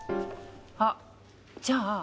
あじゃあ